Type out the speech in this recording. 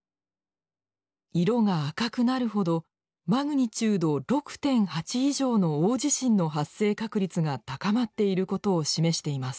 色が赤くなるほどマグニチュード６．８以上の大地震の発生確率が高まっていることを示しています。